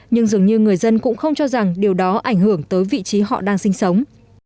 nhưng dường như người dân cũng không cho rằng điều đó ảnh hưởng tới vị trí họ đang sinh sống